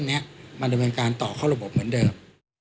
อันนี้มาดำเนินการต่อเข้าระบบเหมือนเดิม